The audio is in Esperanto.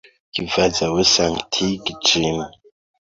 Kvazaŭ sanktigi ĝin.